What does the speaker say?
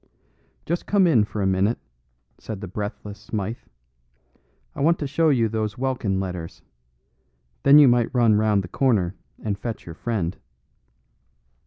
"Just come in for a minute," said the breathless Smythe. "I want to show you those Welkin letters. Then you might run round the corner and fetch your friend."